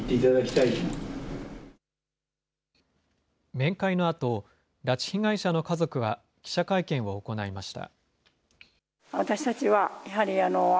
面会のあと、拉致被害者の家族は記者会見を行いました。